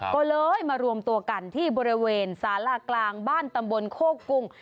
ก็เลยมารวมตัวกันที่บริเวณสารากลางบ้านตำบลโคกุง